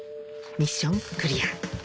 ミッションクリア